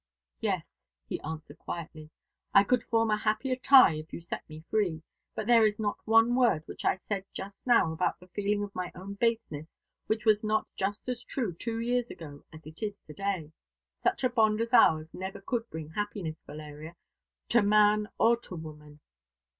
"Yes," he answered quietly. "I could form a happier tie if you set me free. But there is not one word which I said just now about the feeling of my own baseness which was not just as true two years ago as it is to day. Such a bond as ours never could bring happiness, Valeria, to man or to woman."